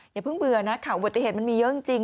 อย่าเพิ่งเบื่อนะคะบทติเทศมันมีเยอะจริง